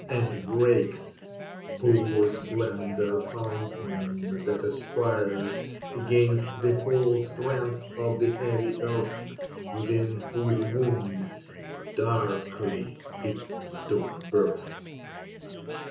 And breaks — poor slender fountain that aspires Against the whole strength of the heav}^ earth Within whose womb, darkly, it took birth.